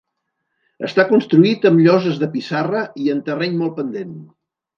Està construït amb lloses de pissarra i en terreny molt pendent.